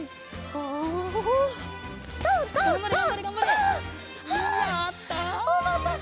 おまたせ！